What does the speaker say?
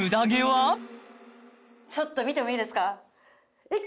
ちょっと見てもいいですか？